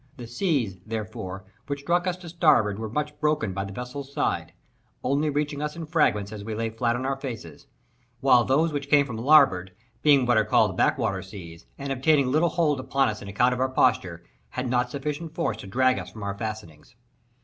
The seas, therefore, which struck us to starboard were much broken, by the vessel's side, only reaching us in fragments as we lay flat on our faces; while those which came from larboard being what are called back water seas, and obtaining little hold upon us on account of our posture, had not sufficient force to drag us from our fastenings.